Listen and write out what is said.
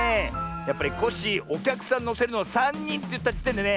やっぱりコッシーおきゃくさんのせるのはさんにんっていったじてんでね